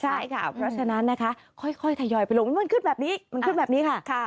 ใช่ค่ะเพราะฉะนั้นนะคะค่อยทยอยไปลงแล้วมันขึ้นแบบนี้มันขึ้นแบบนี้ค่ะ